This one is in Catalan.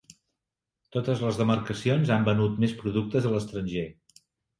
Totes les demarcacions han venut més productes a l'estranger.